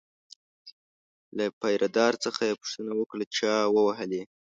له پیره دار څخه یې پوښتنه وکړه چا ووهلی.